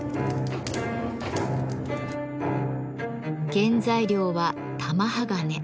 原材料は玉鋼。